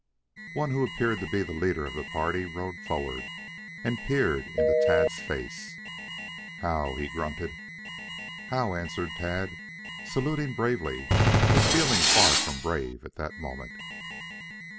One who appeared to be the leader of the party rode forward and peered into Tad's face. "How," he grunted. "How," answered Tad, saluting bravely, but feeling far from brave at that moment.